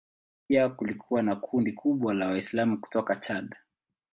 Pia kulikuwa na kundi kubwa la Waislamu kutoka Chad.